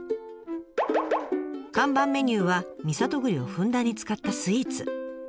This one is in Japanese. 看板メニューは美郷栗をふんだんに使ったスイーツ。